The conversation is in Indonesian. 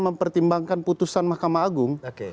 mempertimbangkan putusan makamah agung